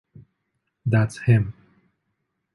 That’s him.